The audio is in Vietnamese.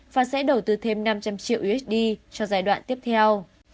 và sẽ đầu tư thêm năm trăm linh triệu usd cho giai đoạn tiếp theo